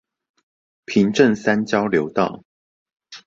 平鎮三交流道